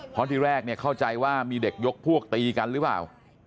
เพราะที่แรกเนี่ยเข้าใจว่ามีเด็กยกพวกตีกันหรือเปล่า